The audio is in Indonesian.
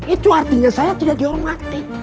itu artinya saya tidak dihormati